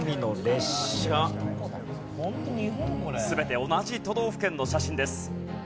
全て同じ都道府県の写真です。